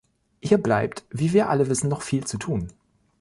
Hier bleibt wie wir alle wissen noch viel zu tun.